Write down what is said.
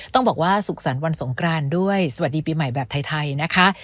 ต้องบอกว่าสุขสรรค์วันสงกรานด้วยสวัสดีปีใหม่แบบไทยนะคะ